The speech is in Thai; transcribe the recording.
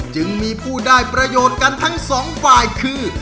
จึงมีผู้ได้ประโยชน์กันทั้งสองฝ่ายคือ